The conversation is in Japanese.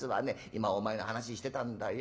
今お前の話してたんだよ。